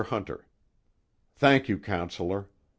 HUNTER: Thank you, Counselor.